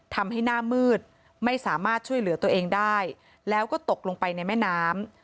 ทำให้หน้ามืดไม่สามารถช่วยเหลือตัวเองได้แล้วก็ตกลงไปในแม่น้ำ